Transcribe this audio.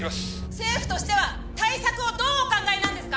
政府としては対策をどうお考えなんですか！？